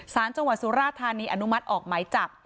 สารจังหวัดสุราธานีอนุมัติออกหมายจับ